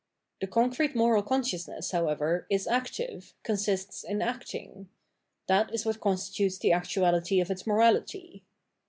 The concrete moral consciousness, however, is active, consists in acting ; that is what constitutes the actuality of its morality.